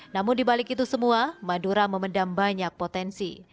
namun dibalik itu semua madura memendam banyak potensi